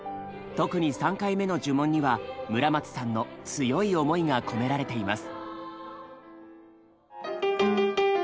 特に３回目の呪文には村松さんの強い思いが込められています。